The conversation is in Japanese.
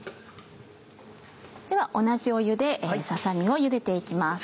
では同じ湯でささ身をゆでて行きます。